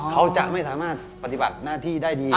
เขาจะไม่สามารถปฏิบัติหน้าที่ได้ดี